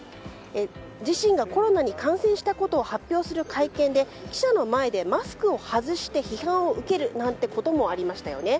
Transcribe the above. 自身がコロナに感染したことを発表する会見で記者の前で、マスクを外して批判を受けるなんてこともありましたよね。